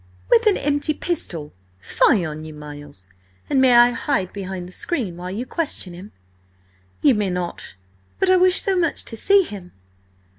"With an empty pistol? Fie on you, Miles! And may I hide behind the screen while you question him?" "Ye may not." "But I wish so much to see him!"